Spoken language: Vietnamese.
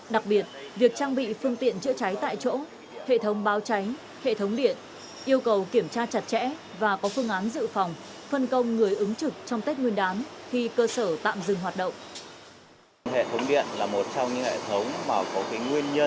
đặc biệt việc trang bị phương tiện chữa cháy tại chỗ hệ thống báo cháy hệ thống điện yêu cầu kiểm tra chặt chẽ và có phương án dự phòng phân công người ứng trực trong tết nguyên đán khi cơ sở tạm dừng hoạt động